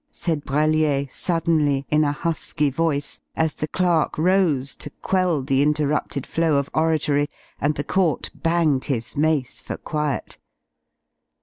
said Brellier, suddenly, in a husky voice, as the clerk rose to quell the interrupted flow of oratory, and the court banged his mace for quiet.